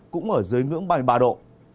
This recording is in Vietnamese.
cũng ở dưới ngưỡng ba mươi ba độ